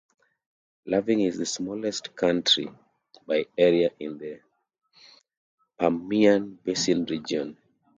Loving is the smallest county by area in the Permian Basin region.